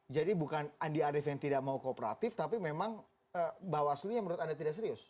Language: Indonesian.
jadi bukan andi arief yang tidak mau kooperatif tapi memang bawaslu yang menurut anda tidak serius